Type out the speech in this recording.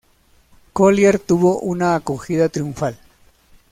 Collier tuvo una acogida triunfal.